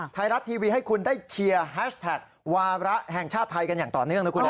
ไทยรัฐทีวีให้คุณได้เชียร์แฮชแท็กวาระแห่งชาติไทยกันอย่างต่อเนื่องนะคุณนะ